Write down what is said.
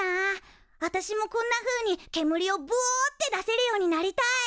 あたしもこんなふうにけむりをぶおって出せるようになりたい！